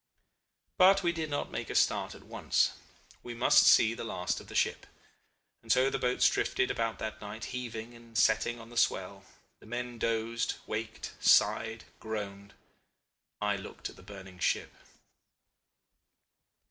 "But we did not make a start at once. We must see the last of the ship. And so the boats drifted about that night, heaving and setting on the swell. The men dozed, waked, sighed, groaned. I looked at the burning ship.